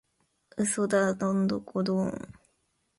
嘘だドンドコドーン！